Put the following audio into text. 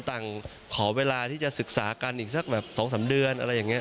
ขอเวลาที่จะศึกษากันอีกสักแบบ๒๓เดือนอะไรอย่างนี้